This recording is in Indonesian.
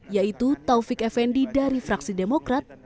yaitu taufik effendi dari fraksi demokrat